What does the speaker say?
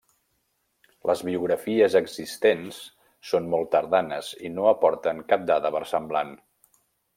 Les biografies existents són molt tardanes i no aporten cap dada versemblant.